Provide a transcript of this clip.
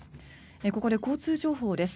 ここで交通情報です。